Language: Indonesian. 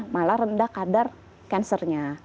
malah rendah kadar kansernya